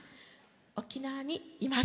沖縄にいます。